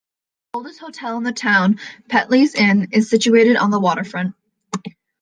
The oldest hotel in the town, Petley's Inn, is situated on the waterfront.